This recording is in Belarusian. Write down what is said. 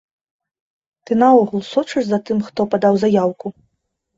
Ты, наогул, сочыш за тым, хто падаў заяўку?